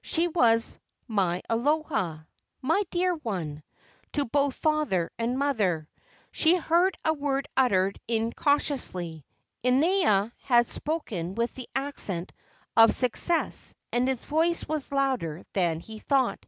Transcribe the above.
She was "My Aloha," "my dear one," to both father and mother. She heard a word uttered incautiously. Inaina had spoken with the accent of success and his voice was louder than he thought.